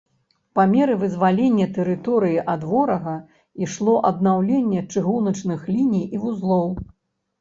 Па меры вызвалення тэрыторыі ад ворага ішло аднаўленне чыгуначных ліній і вузлоў.